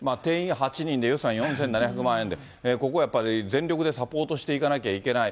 定員８人で予算４７００万円で、ここはやっぱり全力でサポートしていかなきゃいけない。